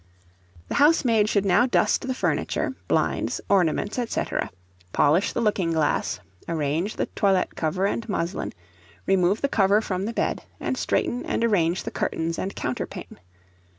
The housemaid should now dust the furniture, blinds, ornaments, &c. polish the looking glass; arrange the toilet cover and muslin; remove the cover from the bed, and straighten and arrange the curtains and counterpane.